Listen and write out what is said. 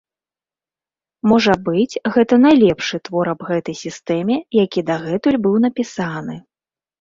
Можа быць, гэта найлепшы твор аб гэтай сістэме, які дагэтуль быў напісаны.